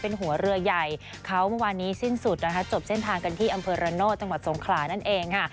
เป็นหัวเรือใหญ่เขาเมื่อวานนี้สิ้นสุดนะคะจบเส้นทางกันที่อำเภอระโนธจังหวัดสงขลานั่นเองค่ะ